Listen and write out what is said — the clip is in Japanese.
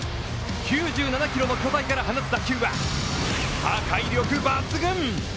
９７キロの巨体から放つ打球は破壊力抜群。